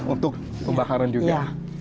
untuk pembakaran juga